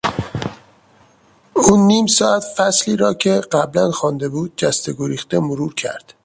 او نیم ساعت فصلی را که قبلا خوانده بود جسته گریخته مرور کرد.